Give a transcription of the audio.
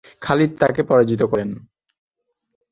খালিদ তাকে পরাজিত করেন।